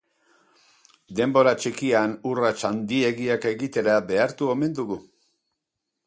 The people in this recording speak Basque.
Denbora txikian urrats handiegiak egitera behartu omen dugu.